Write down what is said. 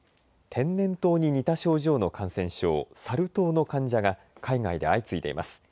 天然痘に似た症状の感染症、サル痘の患者が海外で相次いでいます。